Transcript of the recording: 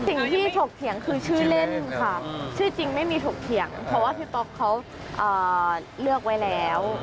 ถกเถียงคือชื่อเล่นค่ะชื่อจริงไม่มีถกเถียงเพราะว่าพี่ต๊อกเขาเลือกไว้แล้ว